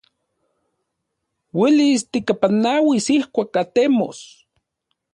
Uelis tikapanauis ijkuak atemos.